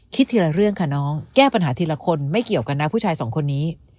ทีละเรื่องค่ะน้องแก้ปัญหาทีละคนไม่เกี่ยวกันนะผู้ชายสองคนนี้